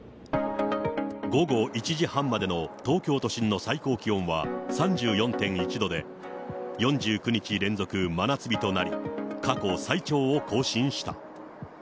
午後１時半までの東京都心の最高気温は３４．１度で、４９日連続真夏日となり、過去最長を更新した。